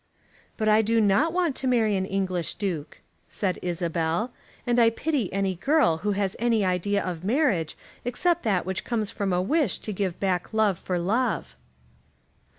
"But I do not want to marry an English Duke," said Isabel, "and I pity any girl who has any idea of marriage except that which comes from a wish to give back love for love."